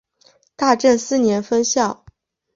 大正四年分校。